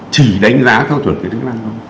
chỉ đánh giá theo chuẩn kết năng thôi